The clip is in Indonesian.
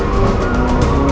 masih diam ayo